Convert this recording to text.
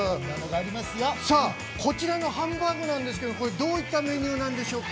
さあこちらのハンバーグなんですけれどもどういったメニューなんでしょうか。